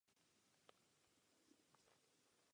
Podle svých práv může uživatel obsluhovat server.